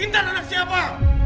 intan anak siapa